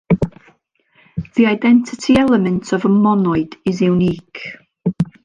The identity element of a monoid is unique.